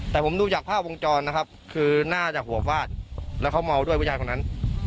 แต่ผมดูจากภาพวงจรนะครับคือน่าจะหัวฟาดแล้วเขาเมาด้วยผู้ชายคนนั้น